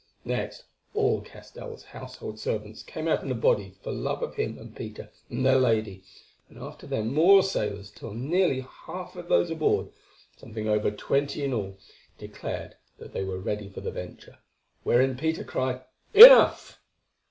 Next all Castell's household servants came out in a body for love of him and Peter and their lady, and after them more sailors, till nearly half of those aboard, something over twenty in all, declared that they were ready for the venture, wherein Peter cried, "Enough."